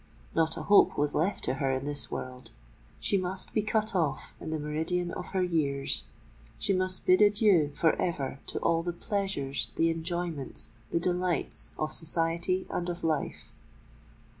Not a hope was left to her in this world: she must be cut off in the meridian of her years;—she must bid adieu for ever to all the pleasures, the enjoyments, the delights of society and of life!